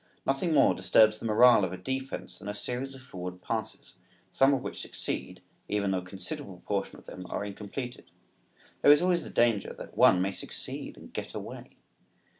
Nothing more disturbs the morale of defense than a series of forward passes, some of which succeed even though a considerable proportion of them are incompleted. There is always the danger that one may succeed and get away!